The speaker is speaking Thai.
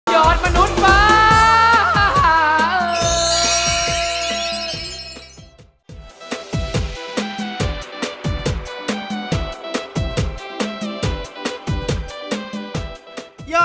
ยอดมนุษย์ป่า